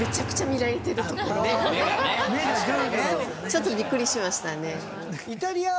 ちょっとビックリしましたね。